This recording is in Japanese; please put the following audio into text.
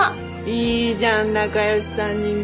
いいじゃん仲良し３人組。